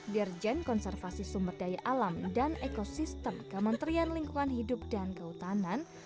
dirjen konservasi sumber daya alam dan ekosistem kementerian lingkungan hidup dan kehutanan